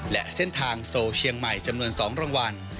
และเส้นทางโซลเชียงใหม่จำนวน๒รางวัล